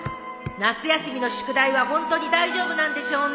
夏休みの宿題はホントに大丈夫なんでしょうね。